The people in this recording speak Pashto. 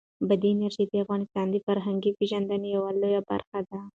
بادي انرژي د افغانانو د فرهنګي پیژندنې یوه لویه برخه ده.